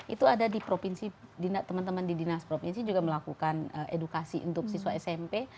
itu ada di provinsi teman teman di dinas provinsi juga melakukan edukasi untuk siswa smp